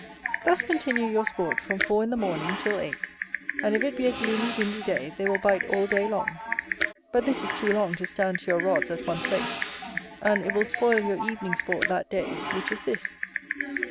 Thus continue your sport from four in the morning till eight, and if it be a gloomy windy day, they will bite all day long: but this is too long to stand to your rods, at one place; and it will spoil your evening sport that day, which is this.